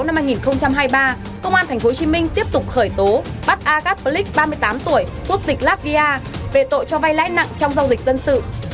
tháng sáu năm hai nghìn hai mươi ba công an tp hcm tiếp tục khởi tố bắt agat blik ba mươi tám tuổi quốc dịch latvia về tội cho vay lãi nặng trong dâu dịch dân sự